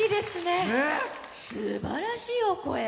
すばらしいお声。